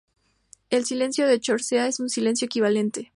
El silencio de corchea es su silencio equivalente.